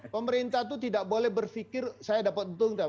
pemerintah itu tidak boleh berpikir saya dapat untung